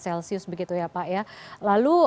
celsius begitu ya pak ya lalu